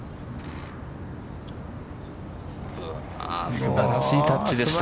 すばらしいタッチでした。